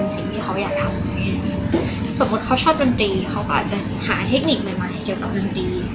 สมมติเขาชอบบันตรีเขาก็อาจจะหาเทคนิคใหม่เกี่ยวกับบันตรี